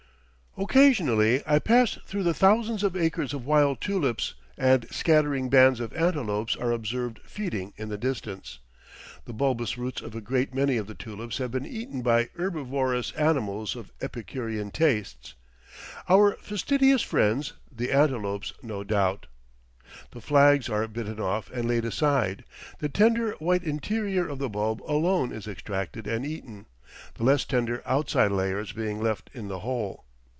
Occasionally I pass through thousands of acres of wild tulips, and scattering bands of antelopes are observed feeding in the distance. The bulbous roots of a great many of the tulips have been eaten by herbivorous animals of epicurean tastes our fastidious friends, the antelopes, no doubt. The flags are bitten off and laid aside, the tender, white interior of the bulb alone is extracted and eaten, the less tender outside layers being left in the hole.